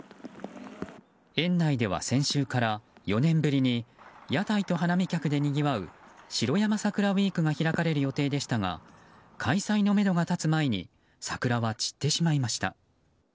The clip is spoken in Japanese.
園内では先週から４年ぶりに屋台と花見客でにぎわう城山桜ウィークが開かれる予定でしたが開催のめどが立つ前に桜は散ってしまいました。